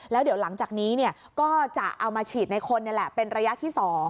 แล้วเดี๋ยวหลังจากนี้ก็จะเอามาฉีดในคนนี่แหละเป็นระยะที่๒